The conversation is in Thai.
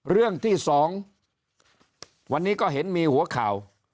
เรื่องที่๒วันนี้ก็เห็นมีหัวข่าว